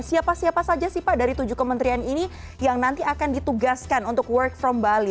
siapa siapa saja sih pak dari tujuh kementerian ini yang nanti akan ditugaskan untuk work from bali